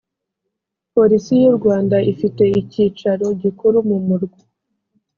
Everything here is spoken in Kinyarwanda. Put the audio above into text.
polisi y u rwanda ifite icyicaro gikuru mu murwa